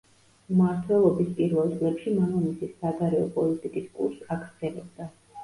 მმართველობის პირველ წლებში მამამისის საგარეო პოლიტიკის კურსს აგრძელებდა.